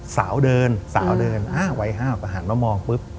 สาวเดินสาวเดินอ้าววัยห้าวก็หันมามองปุ๊บ